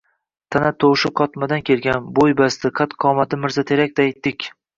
Tana-to‘shi qotmadan kelgan, bo‘y-basti, qad-qomati mirzaterakday tik